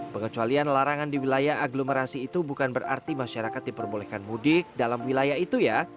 pengecualian larangan di wilayah aglomerasi itu bukan berarti masyarakat diperbolehkan mudik dalam wilayah itu ya